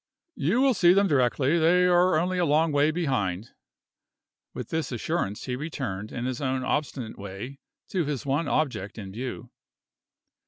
"You will see them directly; they are only a long way behind." With this assurance, he returned, in his own obstinate way, to his one object in view.